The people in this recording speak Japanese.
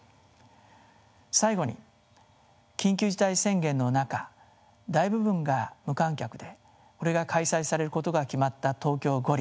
最後に緊急事態宣言の中大部分が無観客で開催されることが決まった東京五輪。